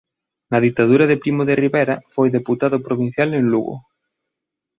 Na ditadura de Primo de Rivera foi deputado provincial en Lugo.